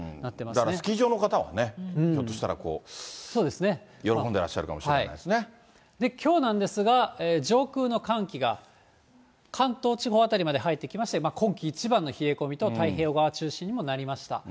だから、スキー場の方はね、ひょっとしたら喜んでらっしゃるきょうなんですが、上空の寒気が関東地方辺りまで入ってきまして、今季一番の冷え込みと、太平洋側中心にもなりました。